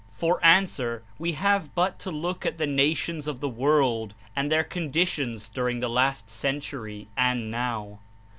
For answer, we have but to look at the nations of the world and their conditions during the last century and now.